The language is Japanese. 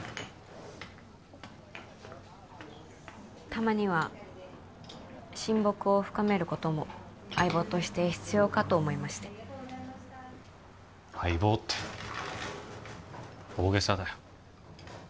たまには親睦を深めることも相棒として必要かと思いまして相棒って大げさだよ